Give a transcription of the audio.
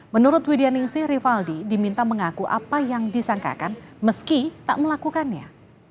menurut widya ningsih rivaldi diminta mengaku apa yang disangkakan meski tak melakukannya